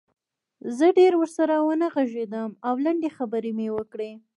زه ډېر ورسره ونه غږېدم او لنډې خبرې مې وکړې